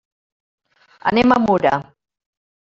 Anem a Mura.